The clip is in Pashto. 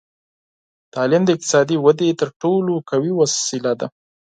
تعلیم د اقتصادي ودې تر ټولو قوي وسیله ده.